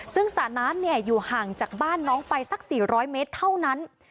ซึ่งสระน้ำอยู่ห่างจากบ้านน้องไปสัก๔๐๐เมตรเท่านั้น